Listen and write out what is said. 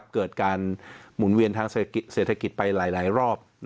เกิดการหมุนเวียนทางเศรษฐกิจไปหลายรอบ